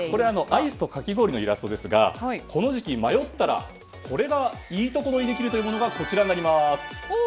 アイスとかき氷のイラストですがこの時期、迷ったらいいとこ取りできるのがこちらになります。